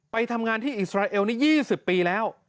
ไปทำงานที่อิสราเอลนี่๒๐ปีแล้ว